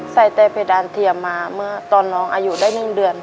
ใส่แต่เพดานเทียมมาเมื่อตอนน้องอายุได้๑เดือน